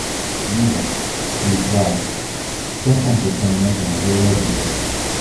New love, new thrive; sometimes determination of a relationship.